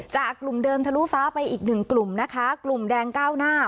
จากกลุ่มเดินทะลุฟ้าไปอีกหนึ่งกลุ่มนะคะกลุ่มแดงก้าวหน้า